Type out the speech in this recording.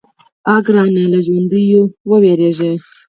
_اه ګرانه! له ژونديو ووېرېږه.